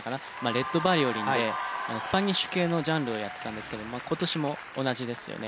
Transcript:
『レッド・バイオリン』でスパニッシュ系のジャンルをやってたんですけど今年も同じですよね。